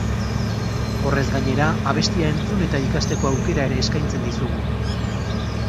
Horrez gainera, abestia entzun eta ikasteko aukera ere eskaintzen dizugu.